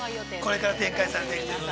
◆これから展開されていくということで。